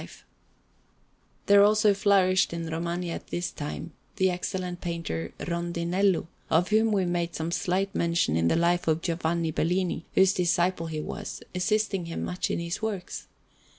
Panel_)] There also flourished in Romagna at this time the excellent painter Rondinello, of whom we made some slight mention in the Life of Giovanni Bellini, whose disciple he was, assisting him much in his works.